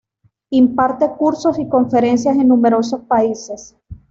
Imparte cursos y conferencias en numerosos países.